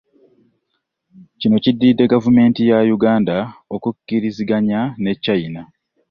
Kino kiddiridde gavumenti ya Uganda okukkiriziganya ne China